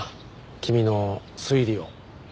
君の推理を。